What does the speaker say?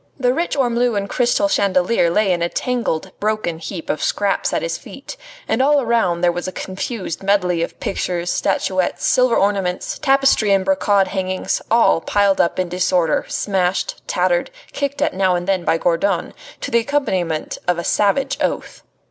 The rich ormolu and crystal chandelier lay in a tangled, broken heap of scraps at his feet, and all around there was a confused medley of pictures, statuettes, silver ornaments, tapestry and brocade hangings, all piled up in disorder, smashed, tattered, kicked at now and again by Gourdon, to the accompaniment of a savage oath.